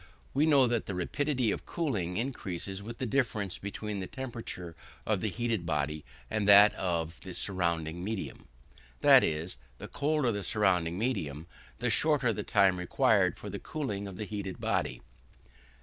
We know that the rapidity of cooling increases with the difference between the temperature of the heated body and that of the surrounding medium; that is, the colder the surrounding medium the shorter the time required for the cooling of the heated body.